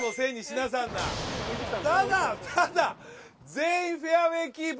ただ全員フェアウェイキープ。